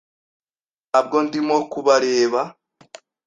Ntabwo ndimo kubareba.